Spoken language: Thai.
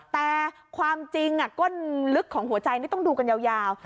แต่ความจริงก้นลึกของหัวใจนี่ต้องดูกันยาว